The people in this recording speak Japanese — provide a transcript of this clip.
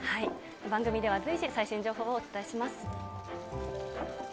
番組では随時最新情報をお伝えします。